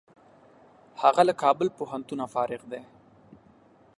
هغه له کابل پوهنتونه فارغ دی.